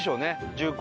銃口。